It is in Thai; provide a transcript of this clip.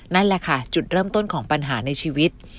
นั่นแหละค่ะจุดเริ่มต้นของปัญหาในชีวิต